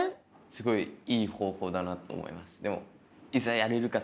すごいいい方法だなと思います。